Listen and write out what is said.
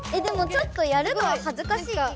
でもちょっとやるのははずかしい。